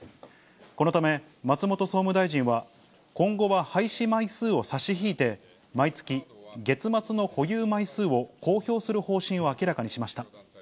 このため、松本総務大臣は、今後は廃止枚数を差し引いて、毎月、月末の保有枚数を公表する方針を明らかにしました。